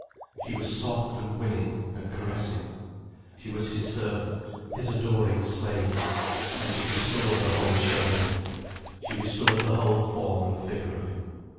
She was soft and winning and caressing. She was his servant, his adoring slave. And she restored the whole shell of him. She restored the whole form and figure of him.